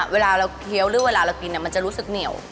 เวลาเราเคี้ยวหรือเวลาเรากินมันจะรู้สึกเหนียว